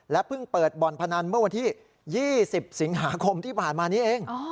เพิ่งเปิดบ่อนพนันเมื่อวันที่๒๐สิงหาคมที่ผ่านมานี้เอง